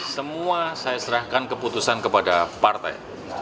semua saya serahkan keputusan kepada partai